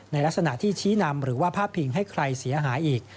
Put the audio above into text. ในลักษณะที่ชี้นำหรือว่าพาดพิงให้ใครเสียหายอีก